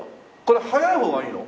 これ速い方がいいの？